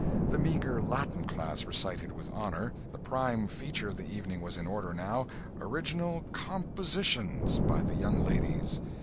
The meagre Latin class recited with honor. The prime feature of the evening was in order, now—original "compositions" by the young ladies.